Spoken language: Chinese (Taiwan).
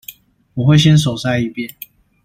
我會先手篩一遍